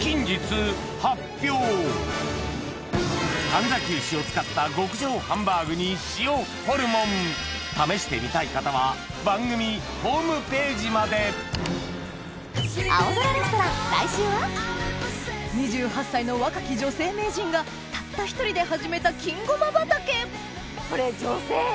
門崎丑を使った極上ハンバーグに塩ホルモン試してみたい方は番組ホームページまで２８歳の若き女性名人がたった一人で始めた金ごま畑・これ女性